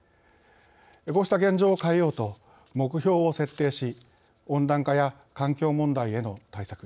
こうした現状を変えようと目標を設定し温暖化や環境問題への対策